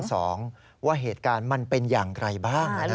มันเกิดเหตุเป็นเหตุที่บ้านกลัว